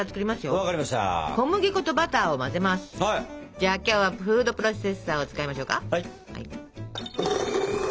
じゃあ今日はフードプロセッサーを使いましょうか。